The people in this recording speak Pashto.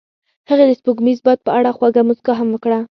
هغې د سپوږمیز باد په اړه خوږه موسکا هم وکړه.